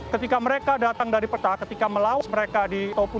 ketika mereka datang dari peta ketika melawas mereka di liga satu